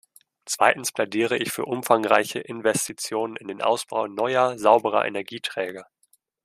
Zweitens plädiere ich für umfangreiche Investitionen in den Ausbau neuer, sauberer Energieträger.